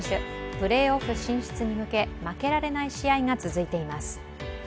プレーオフ進出に向け、負けられない試合が続いています。